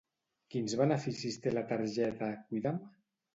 Quins beneficis té la targeta Cuida'm?